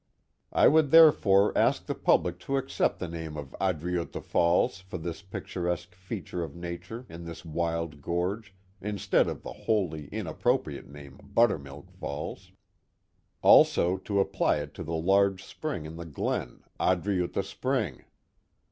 I would therefore ask the public to accept the name " Adriutha Falls," for this picturesque feature of nature in this wild gorge, instead of the wholly in appropriate name " Buttermilk Falls "; also to apply it to the large spring in the glen, " Adriulha Spring."